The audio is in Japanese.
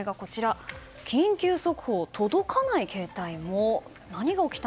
緊急速報、届かない携帯も。